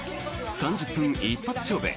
３０分一発勝負。